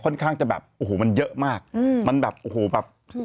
ค่อนข้างจะแบบโอ้โหมันเยอะมากอืมมันแบบโอ้โหแบบ